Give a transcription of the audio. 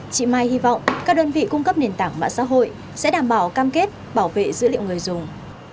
chị mai hy vọng các đơn vị cung cấp nền tảng mạng xã hội sẽ đảm bảo cam kết bảo vệ dữ liệu người dùng